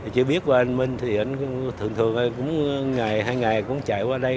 chỉ biết qua anh minh thì thường thường hay cũng ngày hai ngày cũng chạy qua đây